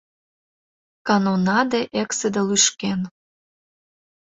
Канонаде эксыде лӱшкен.